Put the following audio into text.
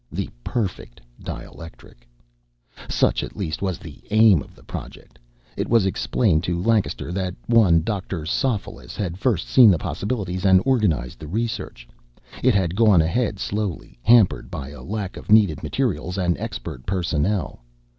The perfect dielectric. Such, at least, was the aim of the project. It was explained to Lancaster that one Dr. Sophoulis had first seen the possibilities and organized the research. It had gone ahead slowly, hampered by a lack of needed materials and expert personnel.